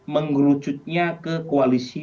mengurucutnya ke koalisi